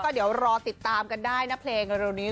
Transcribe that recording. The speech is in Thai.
เดี๋ยวรอติดตามกันได้นะเพลงเร็วนี้